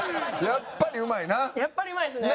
やっぱりうまいですね。